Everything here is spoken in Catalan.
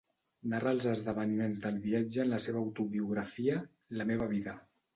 Narra els esdeveniments del viatge en la seva autobiografia, "La meva vida".